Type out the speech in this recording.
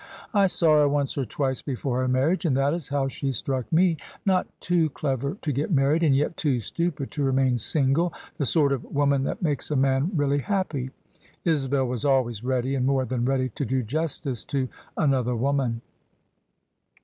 I saw her once or twice before her marriage, and that Is how she struck me: not too clever to get married, and yet too stupid to remain single — ^the sort of woman that makes a man really happy." Isabel was always ready, and more than ready, to do justice to another woman.